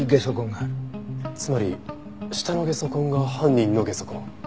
つまり下のゲソ痕が犯人のゲソ痕。